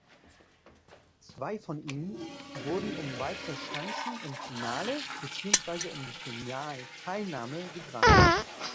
Zwei von ihnen wurden um weitere Chancen im Finale beziehungsweise um die Finalteilnahme gebracht.